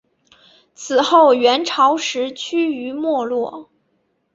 此后元朝时趋于没落。